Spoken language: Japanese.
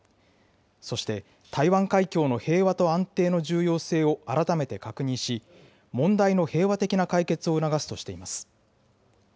そして、台湾海峡の平和と安定の重要性を改めて確認し、問題の平和的な解決を促すとしています。